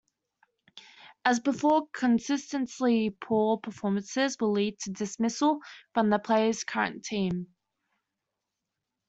As before, consistently poor performances will lead to dismissal from the player's current team.